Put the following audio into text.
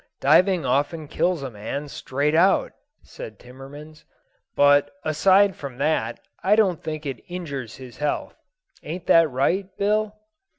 "Diving often kills a man straight out," said Timmans; "but, aside from that, I don't think it injures his health. Ain't that right, Bill?"